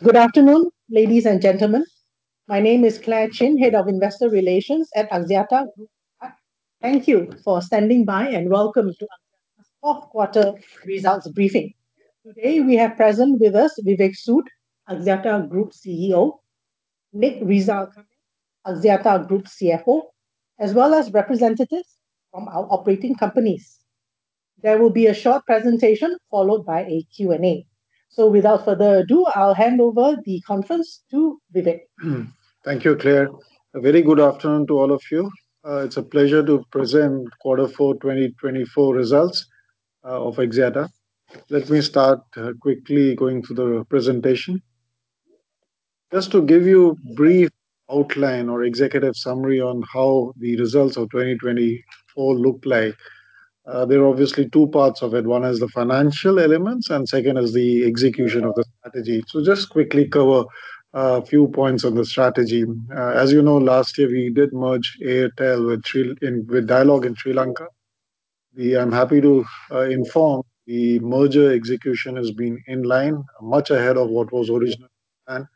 Good afternoon, ladies and gentlemen. My name is Clare Chin, Head of Investor Relations at Axiata Group Berhad. Thank you for standing by, and welcome to Axiata's Fourth Quarter Results Briefing. Today, we have present with us Vivek Sood, Axiata Group CEO, Nik Rizal Kamil Nik Ibrahim Kamil, Axiata Group CFO, as well as representatives from our operating companies. There will be a short presentation followed by a Q&A. Without further ado, I'll hand over the conference to Vivek. Thank you, Clare. A very good afternoon to all of you. It's a pleasure to present quarter four 2024 results of Axiata. Let me start quickly going through the presentation. Just to give you brief outline or executive summary on how the results of 2024 looked like, there are obviously two parts of it. One is the financial elements, and second is the execution of the strategy. Just quickly cover a few points on the strategy. As you know, last year we did merge Airtel with Dialog in Sri Lanka. I'm happy to inform the merger execution has been in line, much ahead of what was originally planned.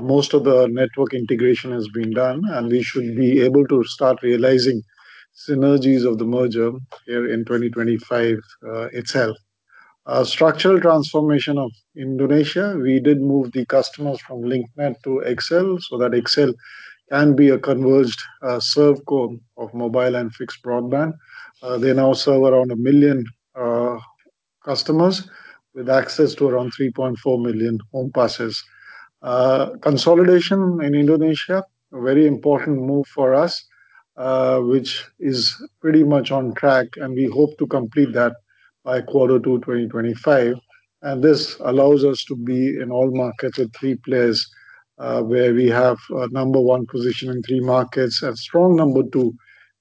Most of the network integration has been done and we should be able to start realizing synergies of the merger here in 2025 itself. Structural transformation of Indonesia, we did move the customers from Link Net to XL so that XL can be a converged ServCo of mobile and fixed broadband. They now serve around 1 million customers with access to around 3.4 million home passes. Consolidation in Indonesia, a very important move for us, which is pretty much on track, and we hope to complete that by Q2 2025. This allows us to be in all markets with three players, where we have a number one position in three markets, a strong number two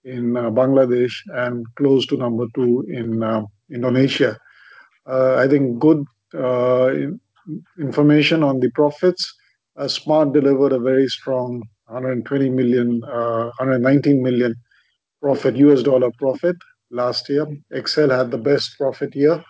in Bangladesh, and close to number two in Indonesia. I think good information on the profits. Smart delivered a very strong $120 million, $119 million profit, US dollar profit last year. XL had the best profit year.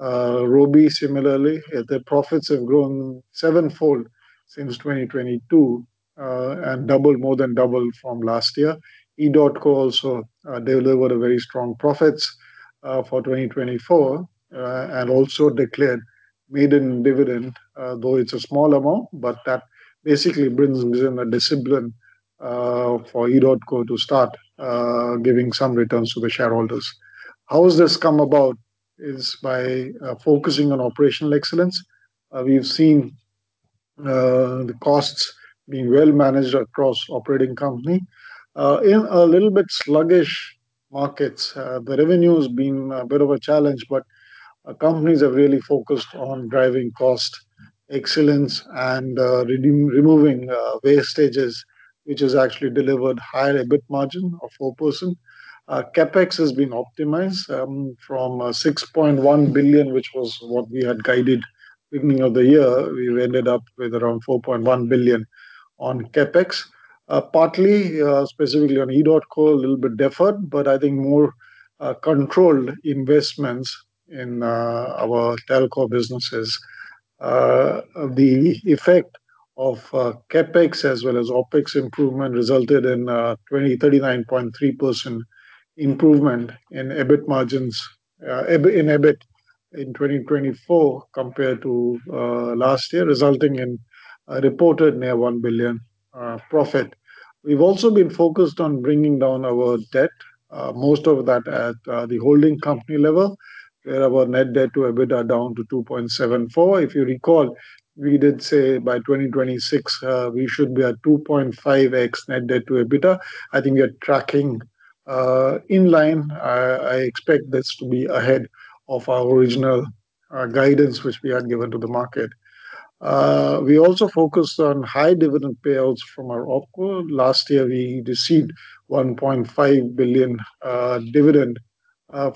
Robi similarly. Their profits have grown sevenfold since 2022 and doubled, more than doubled from last year. edotCo also delivered a very strong profits for 2024 and also declared maiden dividend though it's a small amount, but that basically brings within a discipline for edotCo to start giving some returns to the shareholders. How has this come about? Is by focusing on operational excellence. We've seen the costs being well managed across operating company. In a little bit sluggish markets, the revenue has been a bit of a challenge, but companies have really focused on driving cost excellence and removing wastages, which has actually delivered higher EBIT margin of 4%. CapEx has been optimized from 6.1 billion, which was what we had guided beginning of the year. We've ended up with around 4.1 billion on CapEx. Partly, specifically on edotCo, a little bit deferred, but I think more controlled investments in our telco businesses. The effect of CapEx as well as OpEx improvement resulted in a 39.3% improvement in EBIT margins. In EBIT in 2024 compared to last year, resulting in a reported near 1 billion profit. We've also been focused on bringing down our debt, most of that at the holding company level, where our net debt to EBITDA down to 2.74. If you recall, we did say by 2026, we should be at 2.5x net debt to EBITDA. I think we're tracking in line. I expect this to be ahead of our original guidance which we had given to the market. We also focused on high dividend payouts from our OpCo. Last year, we received 1.5 billion dividend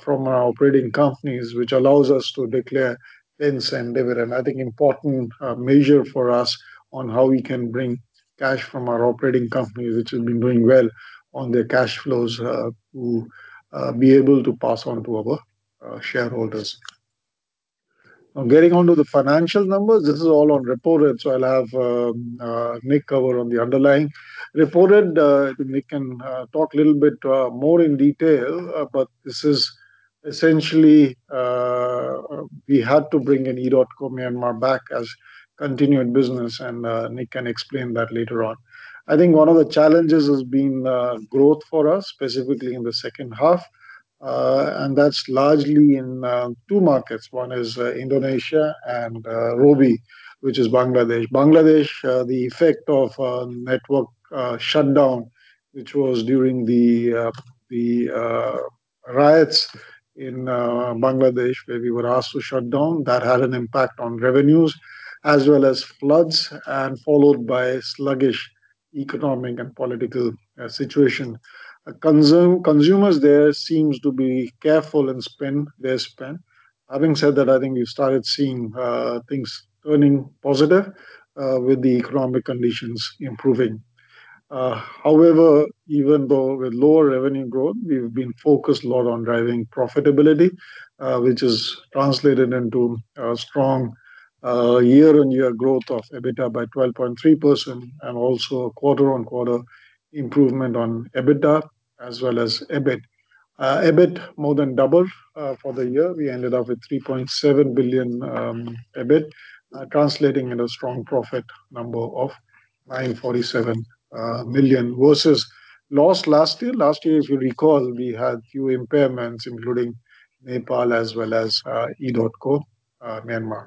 from our operating companies, which allows us to declare ten sen dividend. I think important measure for us on how we can bring cash from our operating companies, which have been doing well on their cash flows, to be able to pass on to our shareholders. Now, getting on to the financial numbers. This is all on reported, so I'll have Nik cover on the underlying. Reported, Nik can talk a little bit more in detail, this is essentially we had to bring in edotCo Myanmar back as continuing business and Nik can explain that later on. I think one of the challenges has been growth for us, specifically in the second half. That's largely in two markets. One is Indonesia and Robi, which is Bangladesh. Bangladesh, the effect of a network shutdown which was during the riots in Bangladesh, where we were asked to shut down, that had an impact on revenues as well as floods and followed by sluggish economic and political situation. Consumers there seems to be careful and spend their spend. Having said that, I think we've started seeing things turning positive with the economic conditions improving. However, even though with lower revenue growth, we've been focused a lot on driving profitability, which translated into a strong year-on-year growth of EBITDA by 12.3% and also a quarter-on-quarter improvement on EBITDA, as well as EBIT. EBIT more than doubled for the year. We ended up with 3.7 billion EBIT, translating in a strong profit number of 947 million versus loss last year. Last year, if you recall, we had a few impairments, including Nepal as well as edotCo Myanmar.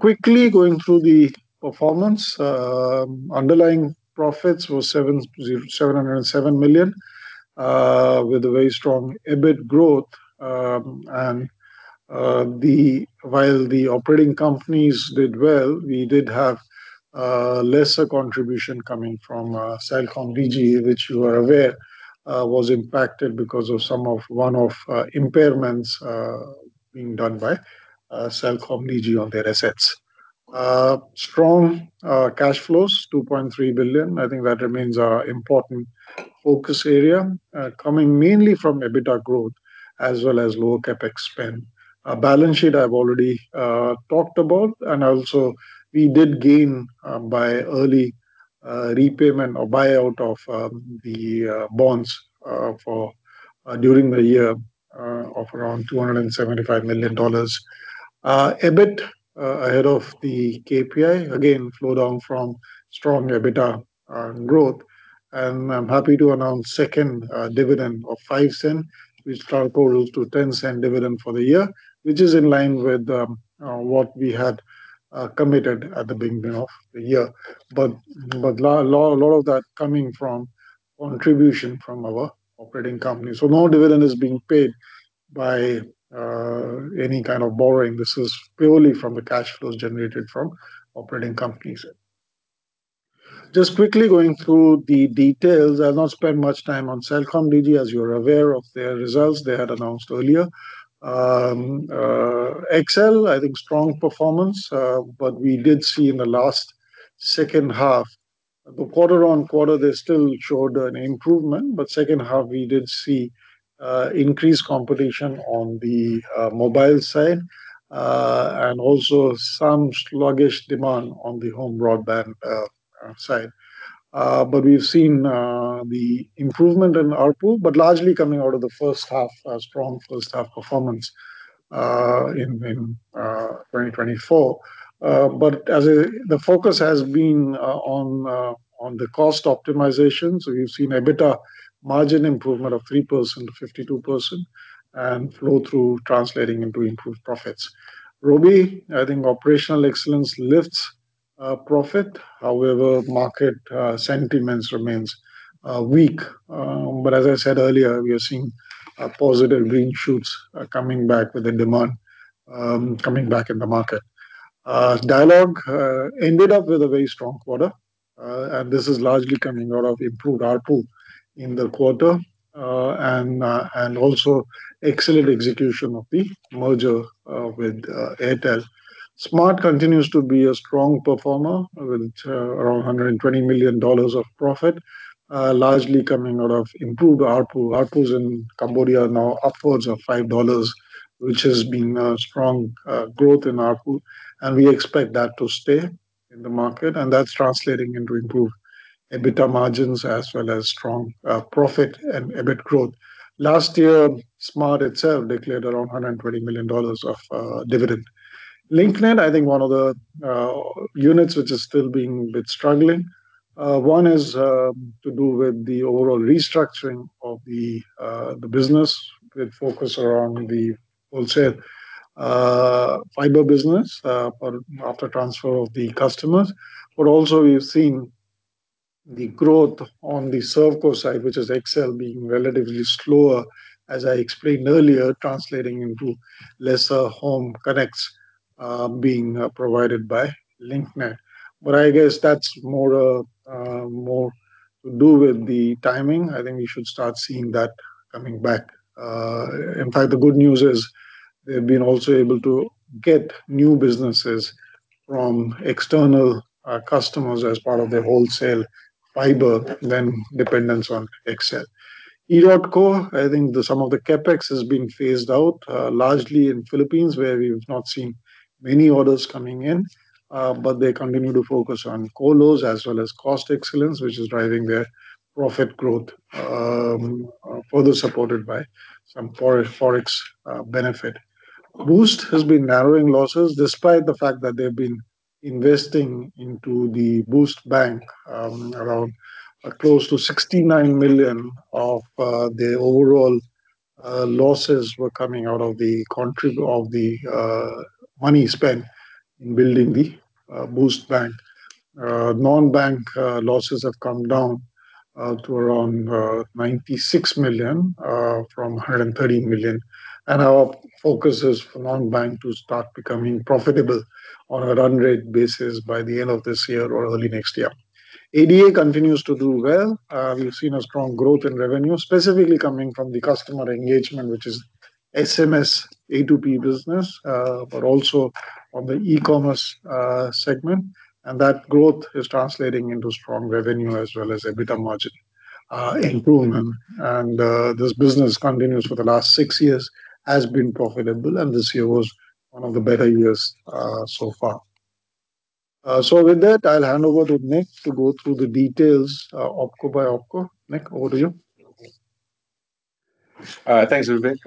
Quickly going through the performance. Underlying profits were 707 million with a very strong EBIT growth. While the operating companies did well, we did have lesser contribution coming from CelcomDigi, which you are aware, was impacted because of some of one-off impairments being done by CelcomDigi on their assets. Strong cash flows, 2.3 billion. I think that remains our important focus area, coming mainly from EBITDA growth as well as lower CapEx spend. Our balance sheet I've already talked about. Also we did gain by early repayment or buyout of the bonds for during the year of around $275 million. EBIT ahead of the KPI, again, flow down from strong EBITDA growth. I'm happy to announce second dividend of 0.05, which totals to 0.10 dividend for the year, which is in line with what we had committed at the beginning of the year. Lot of that coming from contribution from our operating companies. No dividend is being paid by any kind of borrowing. This is purely from the cash flows generated from operating companies. Just quickly going through the details. I'll not spend much time on CelcomDigi, as you're aware of their results they had announced earlier. XL, I think, strong performance, but we did see in the last second half. Quarter-on-quarter they still showed an improvement. Second half we did see increased competition on the mobile side, and also some sluggish demand on the home broadband side. We've seen the improvement in ARPU, but largely coming out of the first half, strong first half performance in 2024. The focus has been on the cost optimization, so you've seen EBITDA margin improvement of 3% to 52% and flow through translating into improved profits. Robi, I think operational excellence lifts profit. However, market sentiments remains weak. As I said earlier, we are seeing positive green shoots coming back with the demand coming back in the market. Dialog ended up with a very strong quarter, and this is largely coming out of improved ARPU in the quarter, and also excellent execution of the merger with Airtel. Smart continues to be a strong performer with around MYR 120 million of profit, largely coming out of improved ARPU. ARPUs in Cambodia are now upwards of MYR 5, which has been a strong growth in ARPU, and we expect that to stay in the market and that's translating into improved EBITDA margins as well as strong profit and EBIT growth. Last year, Smart itself declared around MYR 120 million of dividend. Link Net, I think one of the units which is still being a bit struggling. One is to do with the overall restructuring of the business with focus around the wholesale fiber business for after transfer of the customers. Also we've seen the growth on the ServCo side, which is XL being relatively slower as I explained earlier, translating into lesser home connects, being provided by Link Net. I guess that's more to do with the timing. I think we should start seeing that coming back. In fact, the good news is they've been also able to get new businesses from external customers as part of their wholesale fiber than dependence on XL. edotCo, I think some of the CapEx has been phased out, largely in Philippines where we've not seen many orders coming in. They continue to focus on colos as well as cost excellence which is driving their profit growth, further supported by some Forex benefit. Boost has been narrowing losses despite the fact that they've been investing into the Boost Bank, around close to 69 million of their overall losses were coming out of the money spent in building the Boost Bank. Non-bank losses have come down to around 96 million from 130 million. Our focus is for non-bank to start becoming profitable on a run rate basis by the end of this year or early next year. ADA continues to do well. We've seen a strong growth in revenue, specifically coming from the customer engagement which is SMS A2P business, but also on the e-commerce segment. That growth is translating into strong revenue as well as EBITDA margin improvement. This business continues for the last six years has been profitable, and this year was one of the better years so far. With that, I'll hand over to Nik to go through the details, OpCo by OpCo. Nik, over to you. Thanks, Vivek.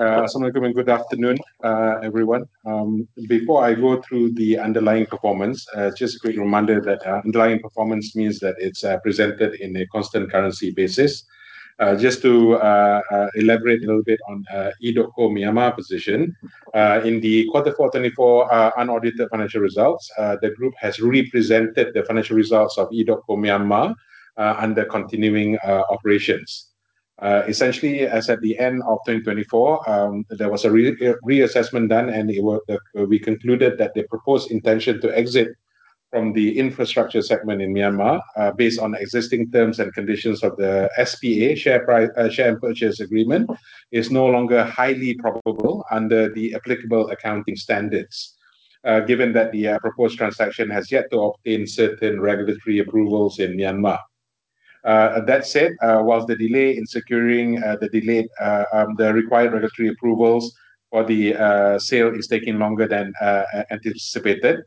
Good afternoon, everyone. Before I go through the underlying performance, just a quick reminder that underlying performance means that it's presented in a constant currency basis. Just to elaborate a little bit on edotCo Myanmar position. In the quarter four 2024 unaudited financial results, the group has represented the financial results of edotCo Myanmar under continuing operations. Essentially, as at the end of 2024, there was a reassessment done, and we concluded that the proposed intention to exit from the infrastructure segment in Myanmar, based on existing terms and conditions of the SPA, Share Purchase Agreement, is no longer highly probable under the applicable accounting standards, given that the proposed transaction has yet to obtain certain regulatory approvals in Myanmar. That said, whilst the delay in securing the delayed the required regulatory approvals for the sale is taking longer than anticipated,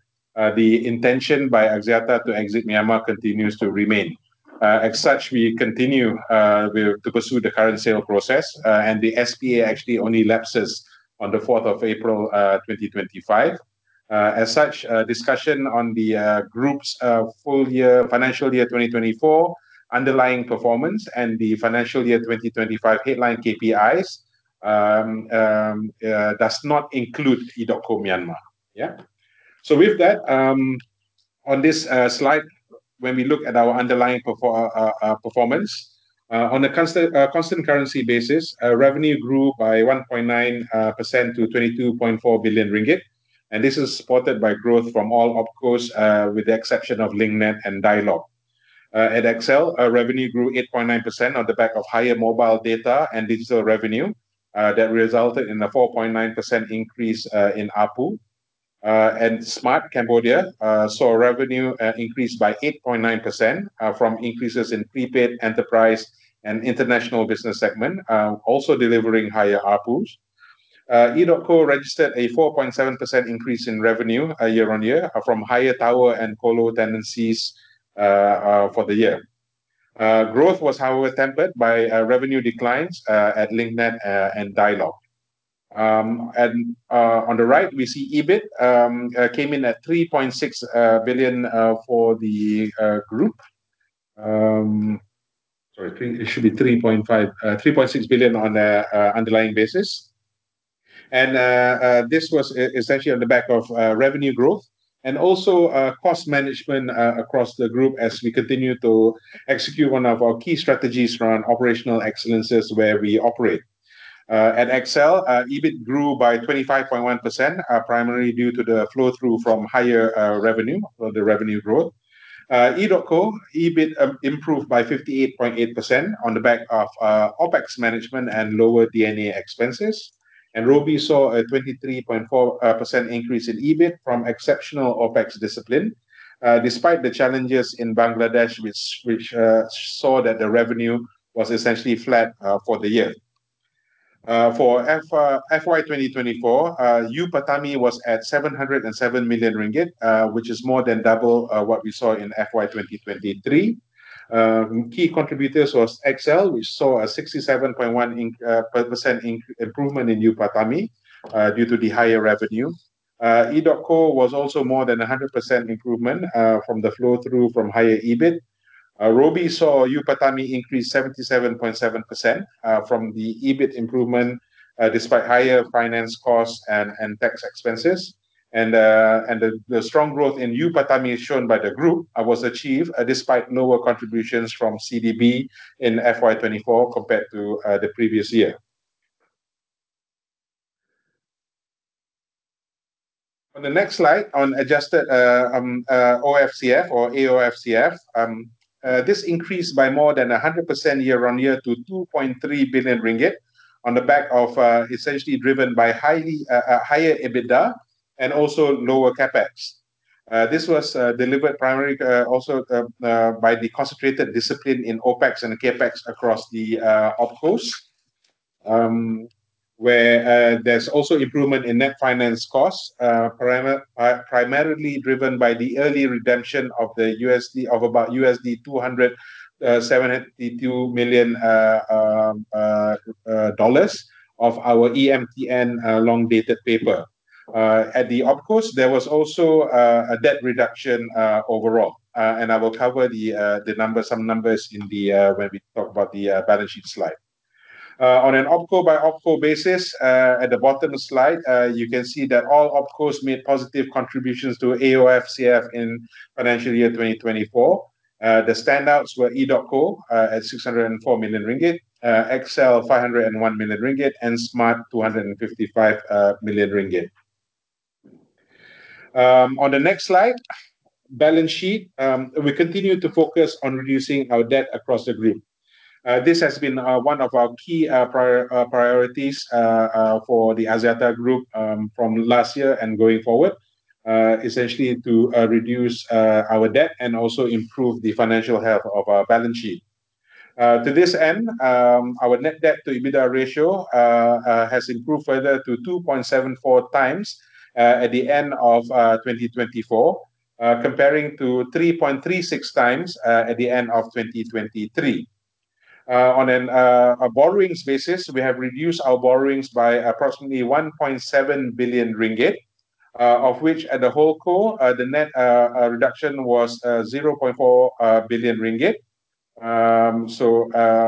the intention by Axiata to exit Myanmar continues to remain. As such, we continue to pursue the current sale process, and the SPA actually only lapses on the 4th of April, 2025. As such, discussion on the group's full year financial year 2024 underlying performance and the financial year 2025 headline KPIs does not include edotCo Myanmar. With that, on this slide, when we look at our underlying performance, on a constant currency basis, revenue grew by 1.9% to 22.4 billion ringgit, this is supported by growth from all OpCos with the exception of LinkNet and Dialog. At XL, revenue grew 8.9% on the back of higher mobile data and digital revenue, that resulted in a 4.9% increase in ARPU. At Smart Axiata, saw revenue increase by 8.9% from increases in prepaid enterprise and international business segment, also delivering higher ARPUs. edotCo registered a 4.7% increase in revenue, year-over-year from higher tower and colo tenancies for the year. Growth was, however, tempered by revenue declines at LinkNet and Dialog. On the right, we see EBIT came in at 3.6 billion for the group. Sorry, it should be 3.5 billion. 3.6 billion on an underlying basis. This was essentially on the back of revenue growth and also cost management across the group as we continue to execute one of our key strategies around operational excellences where we operate. At XL, EBIT grew by 25.1% primarily due to the flow-through from higher revenue or the revenue growth. edotCo EBIT improved by 58.8% on the back of OpEx management and lower D&A expenses. Robi saw a 23.4% increase in EBIT from exceptional OpEx discipline. Despite the challenges in Bangladesh, which saw that the revenue was essentially flat for the year. For FY 2024, PATAMI was at 707 million ringgit, which is more than double what we saw in FY 2023. Key contributors was XL. We saw a 67.1% improvement in PATAMI due to the higher revenue. edotCo was also more than a 100% improvement from the flow-through from higher EBIT. Robi saw PATAMI increase 77.7% from the EBIT improvement despite higher finance costs and tax expenses. The strong growth in PATAMI shown by the group was achieved despite lower contributions from CDB in FY 2024 compared to the previous year. On the next slide on Adjusted OFCF or AOFCF, this increased by more than 100% year-on-year to 2.3 billion ringgit on the back of essentially driven by higher EBITDA and also lower CapEx. This was delivered primarily also by the concentrated discipline in OpEx and CapEx across the OpCos, where there's also improvement in net finance costs primarily driven by the early redemption of the USD of about $282 million of our EMTN long-dated paper. At the OpCos, there was also a debt reduction overall, and I will cover the numbers, some numbers in the when we talk about the balance sheet slide. On an OpCo by OpCo basis, at the bottom slide, you can see that all OpCos made positive contributions to AOFCF in financial year 2024. The standouts were edotCo, at 604 million ringgit, XL 501 million ringgit, and Smart 255 million ringgit. On the next slide, balance sheet. We continue to focus on reducing our debt across the group. This has been one of our key priorities for the Axiata Group from last year and going forward. Essentially to reduce our debt and also improve the financial health of our balance sheet. To this end, our net debt to EBITDA ratio has improved further to 2.74x at the end of 2024, comparing to 3.36x at the end of 2023. On a borrowing basis, we have reduced our borrowings by approximately 1.7 billion ringgit. Of which at the whole group, the net reduction was 0.4 billion ringgit.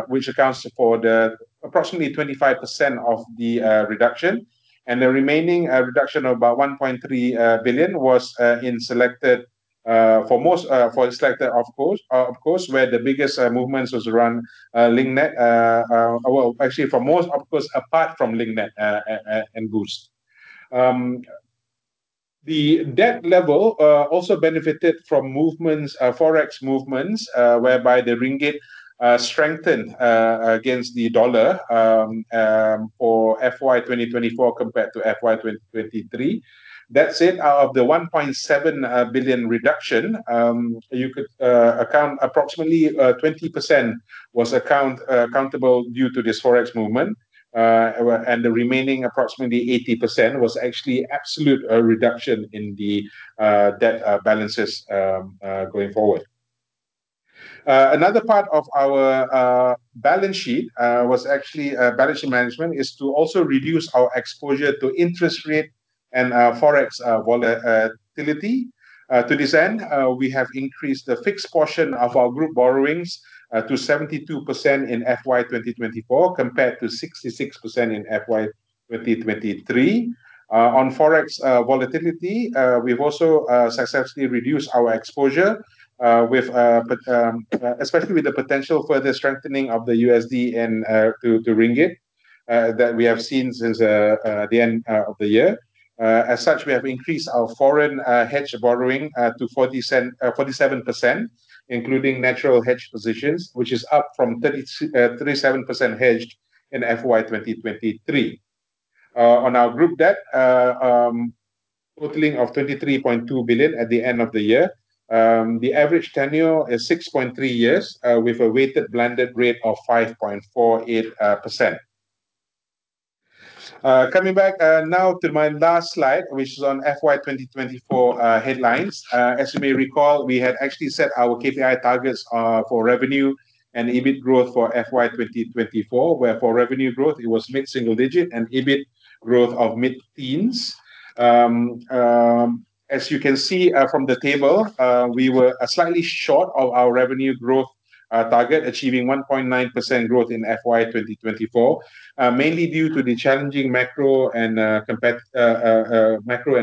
Which accounts for the approximately 25% of the reduction and the remaining reduction of about 1.3 billion was in selected for most for selected OpCos, where the biggest movements was around Link Net. Well, actually for most of course, apart from Link Net and Boost. The debt level also benefited from movements, Forex movements, whereby the ringgit strengthened against the dollar for FY 2024 compared to FY 2023. That said, out of the 1.7 billion reduction, you could account approximately 20% was accountable due to this Forex movement. The remaining approximately 80% was actually absolute reduction in the debt balances going forward. Another part of our balance sheet was actually balance sheet management is to also reduce our exposure to interest rate and Forex volatility. To this end, we have increased the fixed portion of our group borrowings to 72% in FY 2024 compared to 66% in FY 2023. On Forex volatility, we've also successfully reduced our exposure with, but, especially with the potential further strengthening of the USD and to ringgit that we have seen since the end of the year. As such, we have increased our foreign hedge borrowing to 47%, including natural hedge positions, which is up from 37% hedged in FY 2023. On our group debt, totaling of 23.2 billion at the end of the year, the average tenure is six point three years, with a weighted blended rate of 5.48%. Coming back now to my last slide, which is on FY 2024 headlines. As you may recall, we had actually set our KPI targets for revenue and EBIT growth for FY 2024, where for revenue growth it was mid-single digit and EBIT growth of mid-teens. As you can see from the table, we were slightly short of our revenue growth target, achieving 1.9% growth in FY 2024. Mainly due to the challenging macro and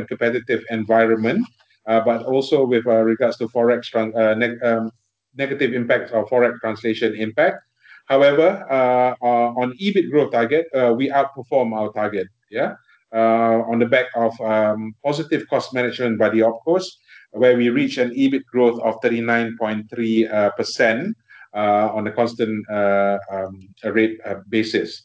competitive environment. Also with regards to Forex negative impact of Forex translation impact. However, on EBIT growth target, we outperformed our target, yeah. On the back of positive cost management by the OpEx where we reached an EBIT growth of 39.3% on a constant rate basis.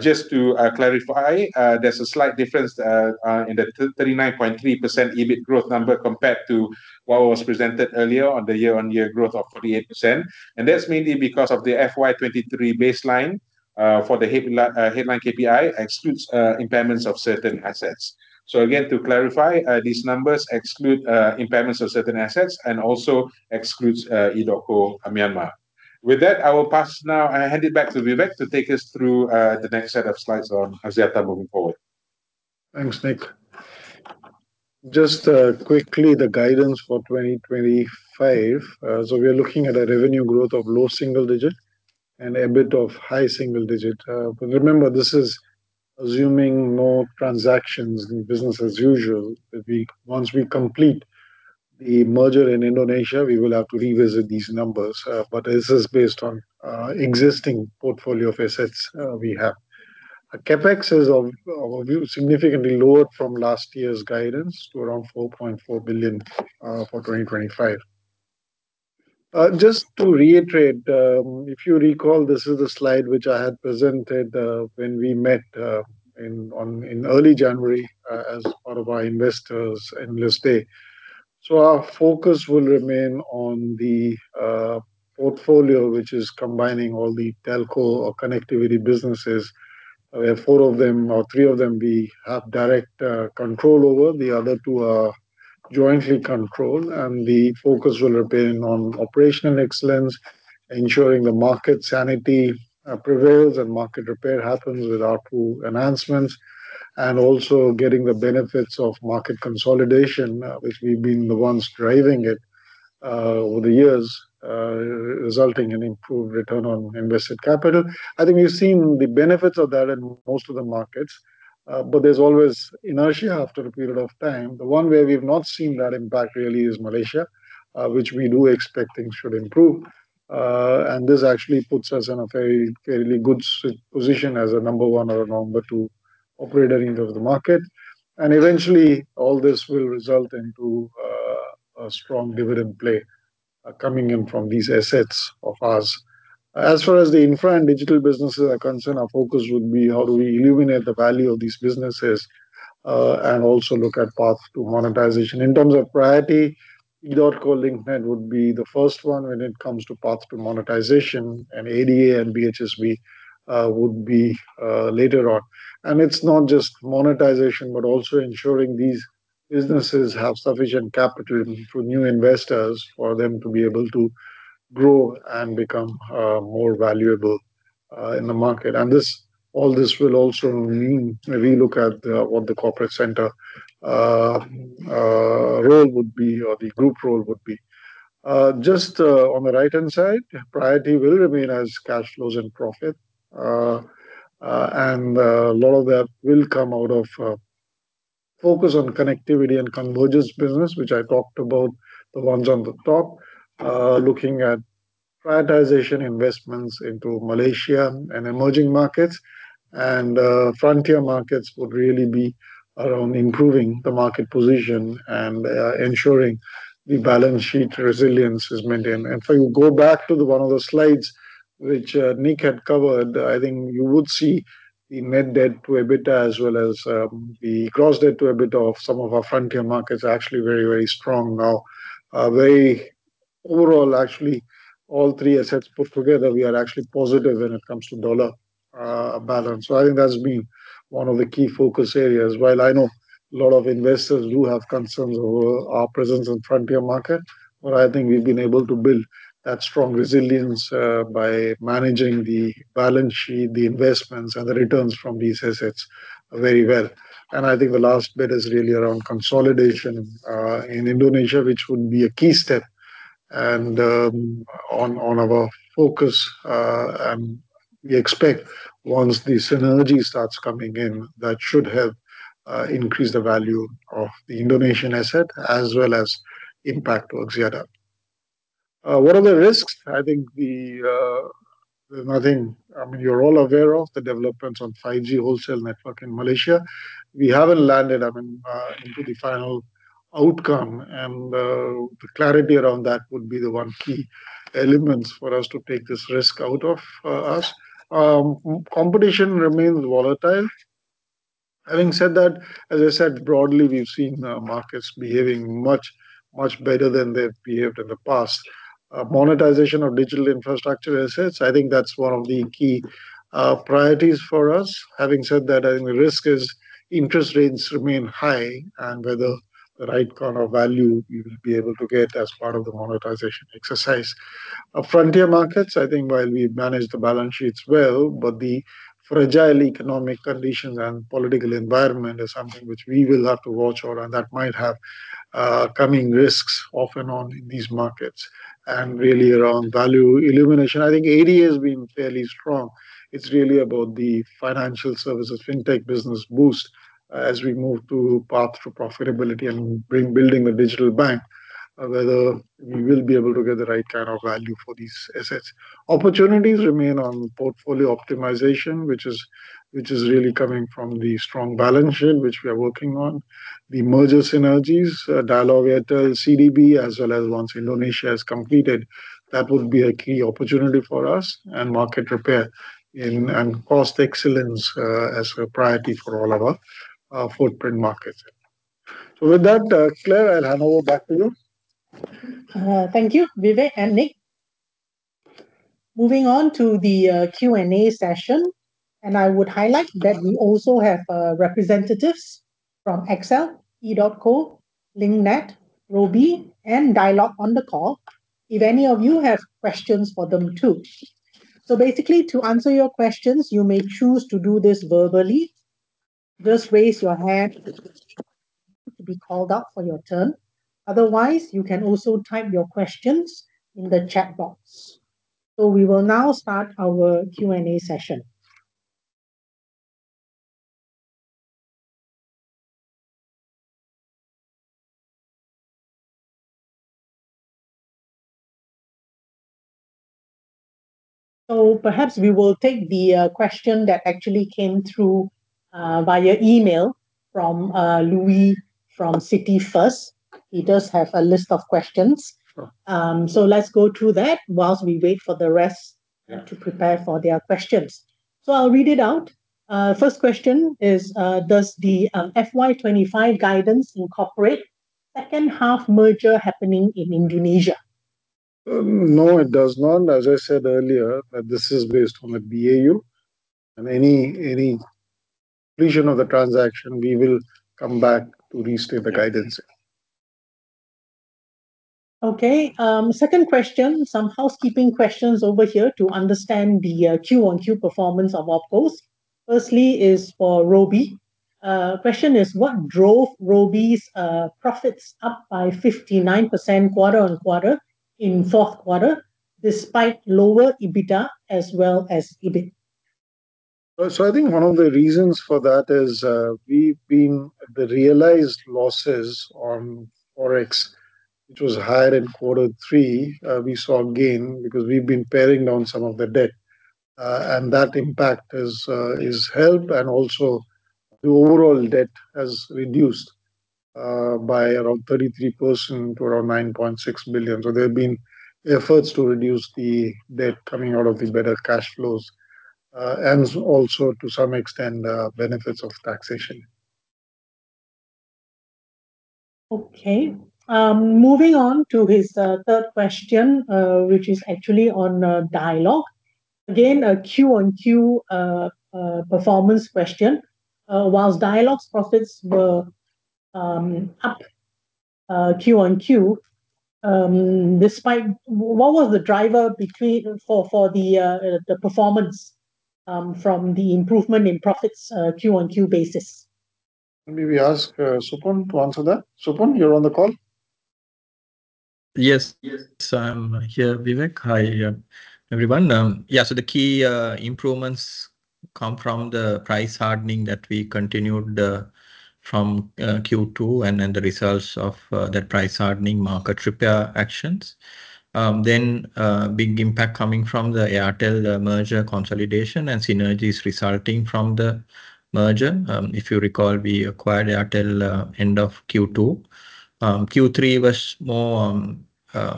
Just to clarify, there's a slight difference in the 39.3% EBIT growth number compared to what was presented earlier on the year-on-year growth of 48%. That's mainly because of the FY 2023 baseline for the headline KPI excludes impairments of certain assets. Again, to clarify, these numbers exclude impairments of certain assets and also excludes edotCo Myanmar. With that, I will pass now, hand it back to Vivek to take us through the next set of slides on Axiata moving forward. Thanks, Nik. Just quickly the guidance for 2025. We are looking at a revenue growth of low single-digit and EBIT of high single-digit. Remember, this is assuming no transactions and business as usual. Once we complete the merger in Indonesia, we will have to revisit these numbers. This is based on existing portfolio of assets we have. CapEx is significantly lower from last year's guidance to around 4.4 billion for 2025. Just to reiterate, if you recall, this is the slide which I had presented when we met in early January as part of our investors and analyst day. Our focus will remain on the portfolio, which is combining all the telco or connectivity businesses. We have four of them or three of them we have direct control over. The other two are jointly controlled. The focus will remain on operational excellence, ensuring the market sanity prevails and market repair happens with our two enhancements. Also getting the benefits of market consolidation, which we've been the ones driving it over the years, resulting in improved Return On Invested Capital. I think we've seen the benefits of that in most of the markets but there's always inertia after a period of time. The one where we've not seen that impact really is Malaysia, which we do expect things should improve. This actually puts us in a very, fairly good position as a number one or a number two operator in the market. Eventually, all this will result into a strong dividend play coming in from these assets of ours. As far as the infra and digital businesses are concerned, our focus would be how do we illuminate the value of these businesses and also look at path to monetization. In terms of priority, edotCo, Link Net would be the first one when it comes to path to monetization and ADA and BHSB would be later on. It's not just monetization but also ensuring these businesses have sufficient capital for new investors for them to be able to grow and become more valuable in the market. All this will also mean we look at what the corporate center role would be or the group role would be. Just on the right-hand side, priority will remain as cash flows and profit. A lot of that will come out of focus on connectivity and convergence business which I talked about, the ones on the top. Looking at prioritization investments into Malaysia and emerging markets and frontier markets would really be around improving the market position and ensuring the balance sheet resilience is maintained. If you go back to the one of the slides which Nik had covered, I think you would see the net debt to EBITDA as well as the gross debt to EBITDA of some of our frontier markets are actually very, very strong now. Overall actually, all three assets put together, we are actually positive when it comes to dollar balance. I think that's been one of the key focus areas. While I know a lot of investors do have concerns over our presence in frontier market, but I think we've been able to build that strong resilience by managing the balance sheet, the investments and the returns from these assets very well. I think the last bit is really around consolidation in Indonesia, which would be a key step and on our focus. We expect once the synergy starts coming in, that should help increase the value of the Indonesian asset as well as impact on Axiata. What are the risks? I mean, you're all aware of the developments on 5G wholesale network in Malaysia. We haven't landed, I mean, into the final outcome and the clarity around that would be the one key elements for us to take this risk out of us. Competition remains volatile. Having said that, as I said, broadly, we've seen markets behaving much, much better than they've behaved in the past. Monetization of digital infrastructure assets, I think that's one of the key priorities for us. Having said that, I think the risk is interest rates remain high and whether the right kind of value you will be able to get as part of the monetization exercise. Frontier markets, I think while we manage the balance sheets well but the fragile economic conditions and political environment is something which we will have to watch or, and that might have coming risks off and on in these markets. Really around value illumination. I think ADA has been fairly strong. It's really about the financial services, fintech business Boost as we move to path to profitability and bring building a digital bank, whether we will be able to get the right kind of value for these assets. Opportunities remain on portfolio optimization, which is really coming from the strong balance sheet, which we are working on. The merger synergies, Dialog Axiata, CDB, as well as once Indonesia is completed, that would be a key opportunity for us and market repair in and cost excellence as a priority for all of our footprint markets. With that, Clare, I'll hand over back to you. Thank you, Vivek and Nik. Moving on to the Q&A session. I would highlight that we also have representatives from XL, edotCo, Link Net, Robi and Dialog on the call, if any of you have questions for them too. Basically, to answer your questions, you may choose to do this verbally. Just raise your hand to be called out for your turn. Otherwise, you can also type your questions in the chat box. We will now start our Q&A session. Perhaps we will take the question that actually came through via email from Louis from Citi first. He does have a list of questions. Sure. Let's go through that while we wait for the rest. Yeah. To prepare for their questions. I'll read it out. First question is, does the FY 2025 guidance incorporate second half merger happening in Indonesia? No, it does not. As I said earlier, that this is based on a BAU and any completion of the transaction, we will come back to restate the guidance. Okay. Second question, some housekeeping questions over here to understand the Q-on-Q performance of our OpCos. Firstly is for Robi. Question is, what drove Robi's profits up by 59% quarter-on-quarter in fourth quarter despite lower EBITDA as well as EBIT? I think one of the reasons for that is, the realized losses on Forex, which was higher in quarter three, we saw a gain because we've been paring down some of the debt. And that impact has helped. Also the overall debt has reduced by around 33% to around 9.6 billion. There have been efforts to reduce the debt coming out of the better cash flows and also to some extent benefits of taxation. Okay. Moving on to his third question, which is actually on Dialog. Again, a Q-on-Q performance question. Whilst Dialog's profits were up Q-on-Q, what was the driver for the performance from the improvement in profits Q-on-Q basis? Maybe we ask Supun to answer that. Supun, you're on the call. Yes. Yes, I'm here, Vivek. Hi, everyone. The key improvements come from the price hardening that we continued from Q2, and then the results of that price hardening market repair actions. Big impact coming from the Airtel merger consolidation and synergies resulting from the merger. If you recall, we acquired Airtel end of Q2. Q3 was more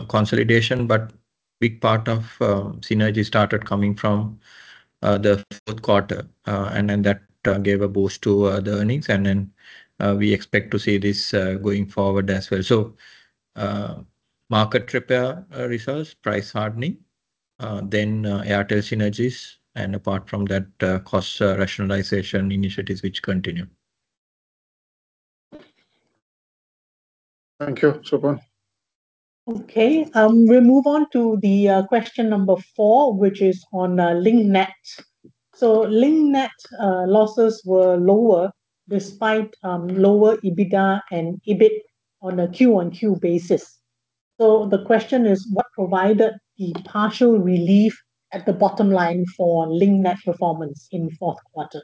consolidation, but big part of synergy started coming from the fourth quarter. That gave a boost to the earnings. We expect to see this going forward as well. Market repair results, price hardening, then Airtel synergies. Apart from that, cost rationalization initiatives which continue. Thank you, Supun. Okay. We move on to the question number four, which is on Link Net. Link Net losses were lower despite lower EBITDA and EBIT on a Q-on-Q basis. The question is, what provided the partial relief at the bottom line for Link Net performance in fourth quarter?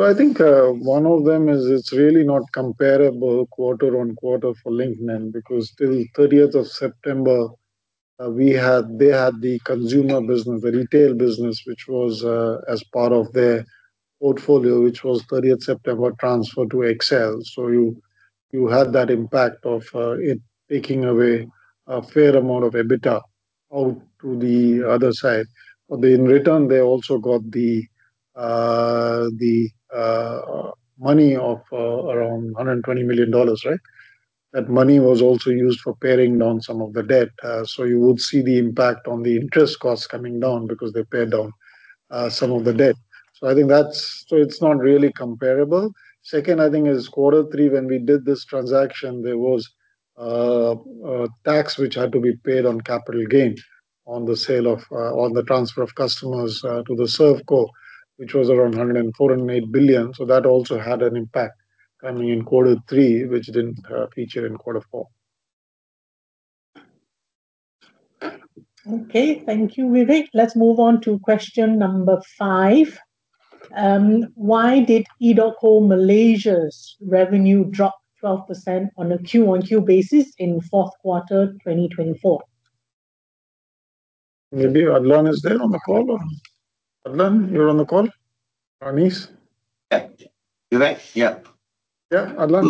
I think, one of them is it's really not comparable quarter-on-quarter for Link Net, because till 30th of September, we had, they had the consumer business, the retail business, which was as part of their portfolio, which was 30th September transferred to XL. You had that impact of it taking away a fair amount of EBITDA out to the other side. They, in return, they also got the money of around $120 million, right? That money was also used for paying down some of the debt. You would see the impact on the interest costs coming down because they paid down some of the debt. It's not really comparable. Second, I think is quarter three, when we did this transaction, there was tax which had to be paid on capital gain on the sale of on the transfer of customers to the ServCo, which was around 104.8 billion. That also had an impact coming in quarter three, which didn't feature in quarter four. Okay. Thank you, Vivek. Let's move on to question number five. Why did edotCo Malaysia's revenue dropped 12% on a Q-on-Q basis in fourth quarter 2024? Maybe Adlan is there on the call. Adlan, you're on the call? Anis? Yeah. Vivek. Yeah. Yeah. Adlan.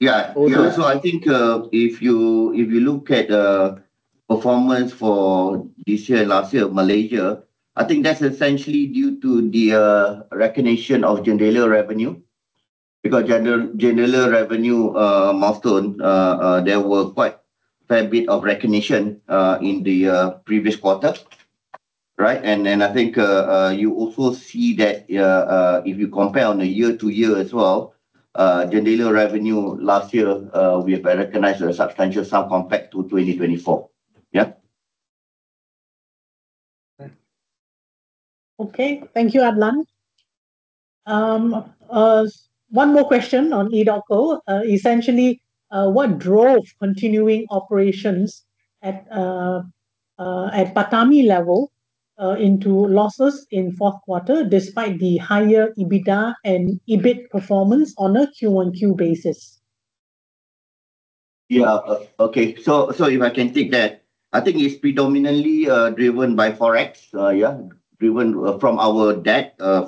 Yeah. Over. I think, if you look at the performance for this year and last year of Malaysia, I think that's essentially due to the recognition of JENDELA revenue. JENDELA revenue milestone, there were quite fair bit of recognition in the previous quarter, right? I think, you also see that, if you compare on a year-to-year as well, JENDELA revenue last year, we have recognized a substantial sum compared to 2024. Okay. Thank you, Adlan. One more question on edotCo. Essentially, what drove continuing operations at PATAMI level into losses in fourth quarter despite the higher EBITDA and EBIT performance on a quarter-on-quarter basis? Yeah. Okay. If I can take that, I think it's predominantly driven by Forex. Driven from our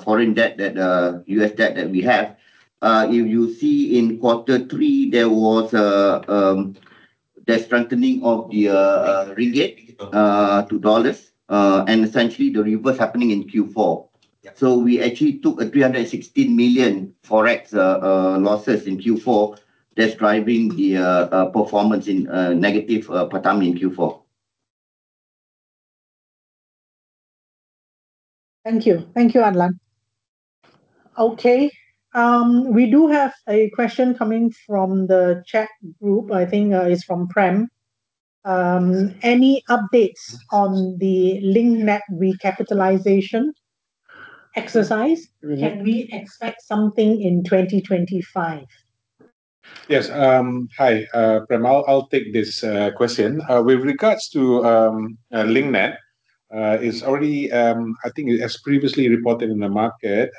foreign debt, that US debt that we have. If you see in quarter three, there was the strengthening of the ringgit to dollars, and essentially the reverse happening in Q4. We actually took 316 million Forex losses in Q4. That's driving the performance in negative PATAMI in Q4. Thank you. Thank you, Adlan. Okay. We do have a question coming from the chat group, I think, it's from Prem. Any updates on the Link Net recapitalization exercise? Can we expect something in 2025? Yes. Hi, Prem. I'll take this question. With regards to Link Net, it's already... I think as previously reported in the market,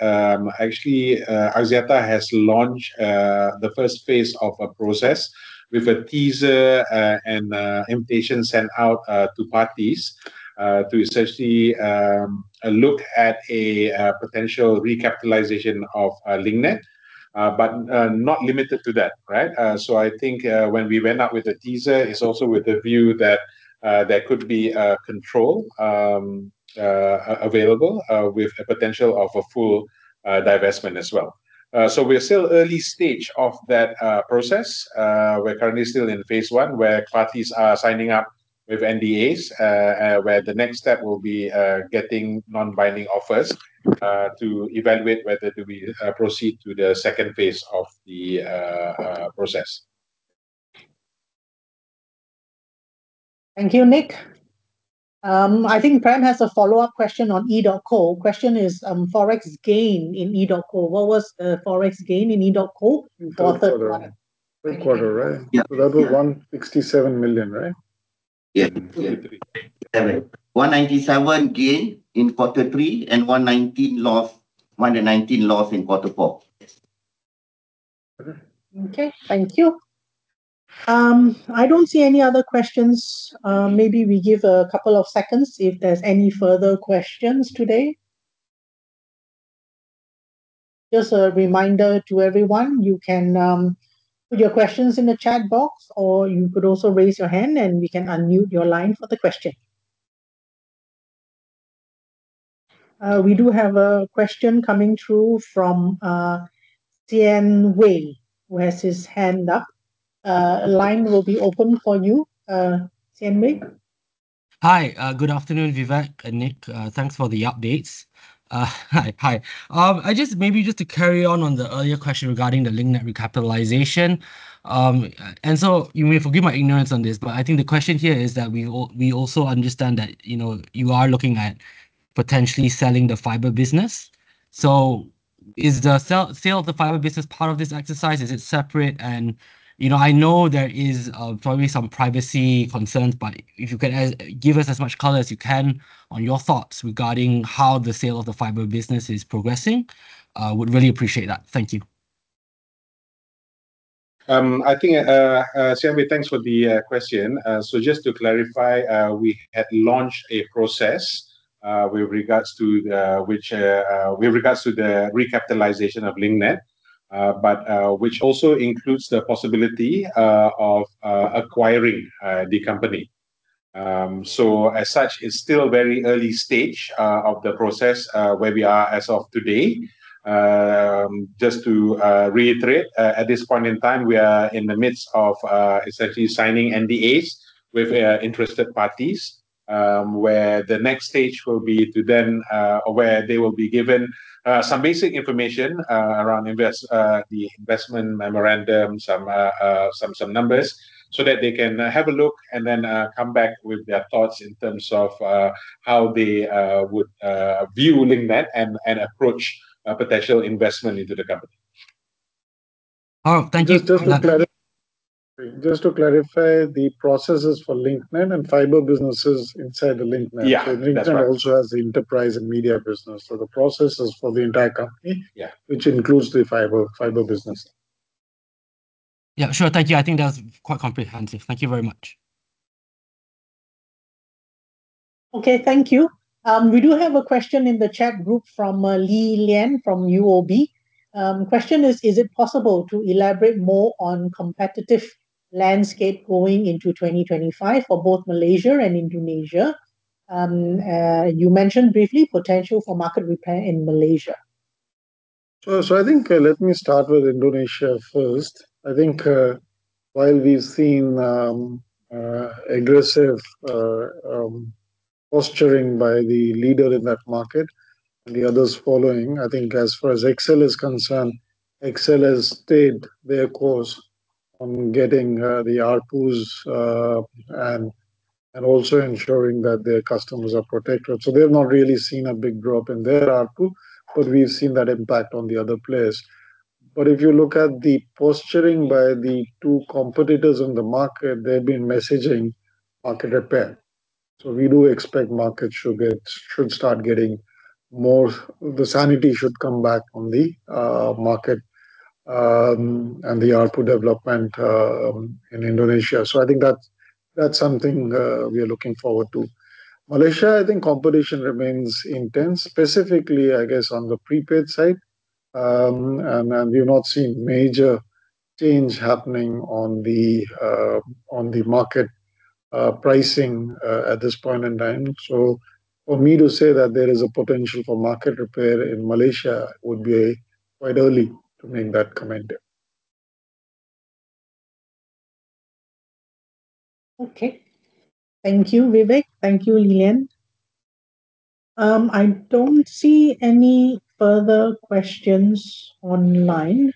actually, Axiata has launched the first phase of a process with a teaser and a invitation sent out to parties to essentially look at a potential recapitalization of Link Net, but not limited to that, right? I think when we went out with the teaser, it's also with the view that there could be control available with the potential of a full divestment as well. We're still early stage of that process. We're currently still in phase one, where parties are signing up with NDAs. Where the next step will be getting non-binding offers to evaluate whether do we proceed to the second phase of the process. Thank you, Nik. I think Prem has a follow-up question on edotCo. Question is, Forex gain in edotCo. What was Forex gain in edotCo for the third quarter? Third quarter, right? Yeah. That was 167 million, right? Yeah. 197 gain in quarter three and 119 loss in quarter four. Okay. Thank you. I don't see any other questions. Maybe we give a couple of seconds if there's any further questions today. Just a reminder to everyone, you can put your questions in the chat box, or you could also raise your hand, and we can unmute your line for the question. We do have a question coming through from Tien Wei, who has his hand up. Line will be open for you, Tien Wei. Hi. Good afternoon, Vivek and Nik. Thanks for the updates. Hi. Maybe just to carry on on the earlier question regarding the Link Net recapitalization. So you may forgive my ignorance on this, but I think the question here is that we also understand that, you know, you are looking at potentially selling the fiber business. Is the sale of the fiber business part of this exercise? Is it separate? You know, I know there is probably some privacy concerns, but if you can give us as much color as you can on your thoughts regarding how the sale of the fiber business is progressing, would really appreciate that. Thank you. I think, Tien Wei, thanks for the question. Just to clarify, we had launched a process with regards to the recapitalization of Link Net, which also includes the possibility of acquiring the company. As such, it's still very early stage of the process where we are as of today. Just to reiterate, at this point in time, we are in the midst of essentially signing NDAs with interested parties. Where the next stage will be to then. Where they will be given, some basic information around the investment memorandum, some numbers, so that they can have a look and then, come back with their thoughts in terms of, how they would view Link Net and approach a potential investment into the company. Thank you. Just to clarify the processes for Link Net and fiber business is inside the Link Net. Yeah. That's right. Link Net also has the enterprise and media business. The process is for the entire company. Yeah Which includes the fiber business. Yeah, sure. Thank you. I think that's quite comprehensive. Thank you very much. Okay. Thank you. We do have a question in the chat group from Lee Lian from UOB. Question is, ''Is it possible to elaborate more on competitive landscape going into 2025 for both Malaysia and Indonesia? You mentioned briefly potential for market repair in Malaysia.'' I think, let me start with Indonesia first. I think, while we've seen aggressive posturing by the leader in that market and the others followin. I think as far as XL is concerned, XL has stayed their course on getting the ARPUs and also ensuring that their customers are protected. They've not really seen a big drop in their ARPU, but we've seen that impact on the other players. If you look at the posturing by the two competitors in the market, they've been messaging market repair. We do expect markets should start getting more, and the sanity should come back on the market and the ARPU development in Indonesia. I think that's something we are looking forward to. Malaysia, I think competition remains intense, specifically, I guess, on the prepaid side. We've not seen major change happening on the market pricing at this point in time. For me to say that there is a potential for market repair in Malaysia would be quite early to make that comment. Thank you, Vivek. Thank you, Lee Lian. I don't see any further questions online.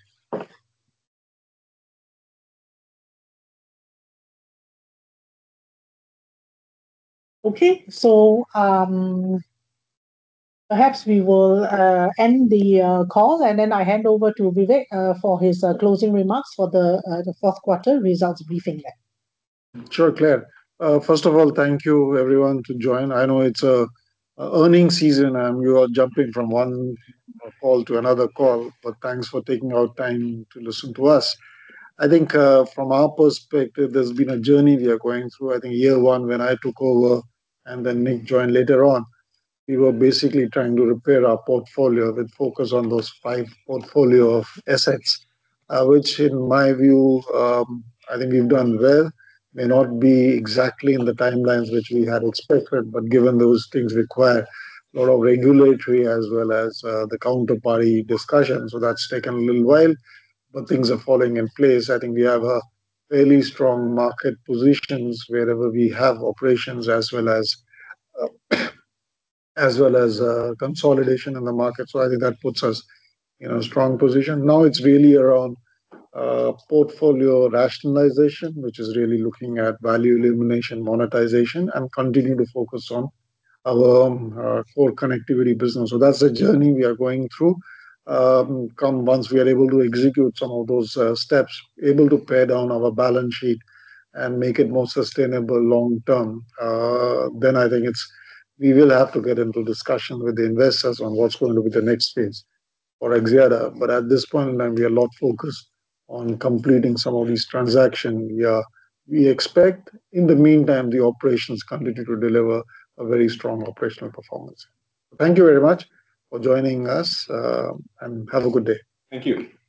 Perhaps we will end the call and then I hand over to Vivek for his closing remarks for the fourth quarter results briefing then. Sure, Clare. First of all, thank you everyone to join. I know it's a earning season and you are jumping from one call to another call but thanks for taking out time to listen to us. I think, from our perspective, there's been a journey we are going through. I think year one, when I took over, and then Nik joined later on, we were basically trying to repair our portfolio with focus on those five portfolio of assets, which in my view, I think we've done well. May not be exactly in the timelines which we had expected but given those things require a lot of regulatory as well as the counterparty discussions. That's taken a little while, but things are falling in place. I think we have a fairly strong market positions wherever we have operations as well as consolidation in the market. I think that puts us in a strong position. Now it's really around portfolio rationalization which is really looking at value elimination, monetization, and continuing to focus on our core connectivity business. That's the journey we are going through. Once we are able to execute some of those steps, able to pare down our balance sheet and make it more sustainable long term, then I think we will have to get into discussion with the investors on what's going to be the next phase for Axiata. At this point in time, we are lot focused on completing some of these transaction we are. We expect in the meantime, the operations continue to deliver a very strong operational performance. Thank you very much for joining us, and have a good day. Thank you.